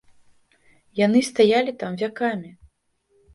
Яны стаялі там вякамі!